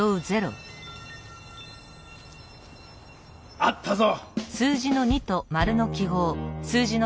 あったぞ！